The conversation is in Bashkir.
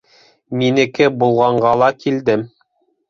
- Минеке булғанға ла килдем.